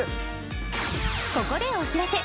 ここでお知らせ！